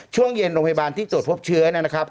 ช่วงเย็นโรงพยาบาลที่ตรวจพบเชื้อนะครับ